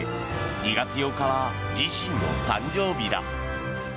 ２月８日は自身の誕生日だ。